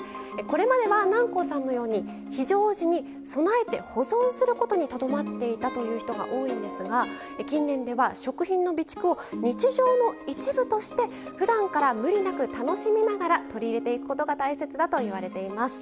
これまでは南光さんのように非常時に備えて保存することにとどまっていたという人が多いんですが近年では食品の備蓄を日常の一部としてふだんから無理なく楽しみながら取り入れていくことが大切だといわれています。